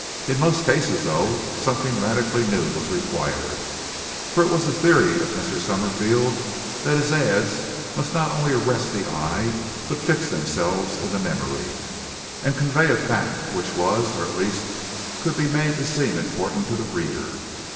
In most cases, though, something radically new was required, for it was the theory of Mr. Summerfield that his ads must not only arrest the eye, but fix themselves in the memory, and convey a fact which was or at least could be made to seem important to the reader.